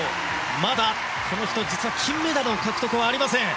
まだ、この人実は金メダルの獲得はありません。